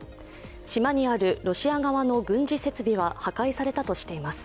島にあるロシア側の軍事設備は破壊されたとしています。